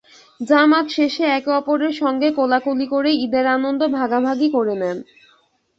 জামাত শেষে একে অপরের সঙ্গে কোলাকুলি করে ঈদের আনন্দ ভাগাভাগি করে নেন।